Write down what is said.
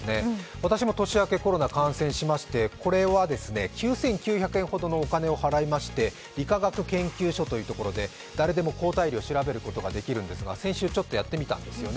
私も年明け、コロナに感染しまして９９００円ほどのお金を払いまして理化学研究所というところで誰でも抗体量を測ることができるんですが先週ちょっとやってみたんですよね。